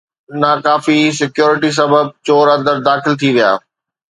ناکافي security سبب چور اندر داخل ٿي ويا